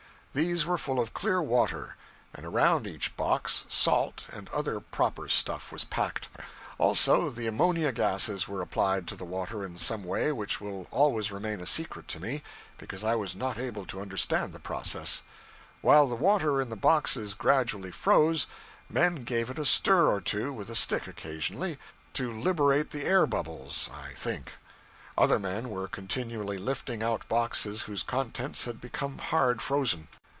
These were full of clear water; and around each box, salt and other proper stuff was packed; also, the ammonia gases were applied to the water in some way which will always remain a secret to me, because I was not able to understand the process. While the water in the boxes gradually froze, men gave it a stir or two with a stick occasionally to liberate the air bubbles, I think. Other men were continually lifting out boxes whose contents had become hard frozen.